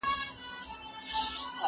زه ښوونځی ته نه ځم!!